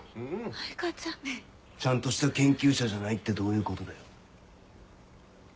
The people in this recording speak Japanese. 藍花ちゃん。ちゃんとした研究者じゃないってどういうことだよ？